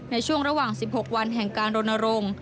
ในช่วงระหว่าง๑๖วันแห่งการรณรงค์